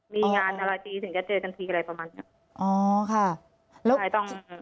มีงานอะไรทีถึงจะเจอกันทีอะไรประมาณนี้